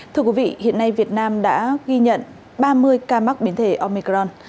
thưa quý vị hiện nay việt nam đã ghi nhận ba mươi ca mắc biến thể omicron